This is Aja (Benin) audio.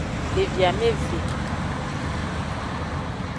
Devi ameve.